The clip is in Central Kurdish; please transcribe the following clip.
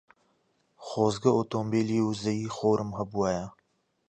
خۆزگە ئۆتۆمۆبیلی وزەی خۆرم هەبوایە.